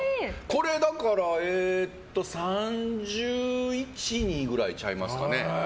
これは、３１３２くらいちゃいますかね。